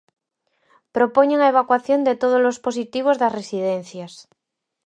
Propoñen a evacuación de todos os positivos das residencias.